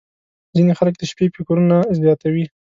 • ځینې خلک د شپې فکرونه زیاتوي.